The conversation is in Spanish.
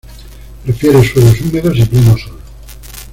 Prefiere suelos húmedos y pleno sol.